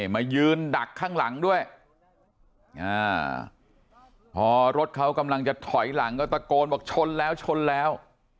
มายืนดักข้างหลังด้วยพอรถเขากำลังจะถอยหลังก็ตะโกนบอกชนแล้วชนแล้ว